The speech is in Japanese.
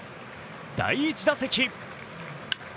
第１打席。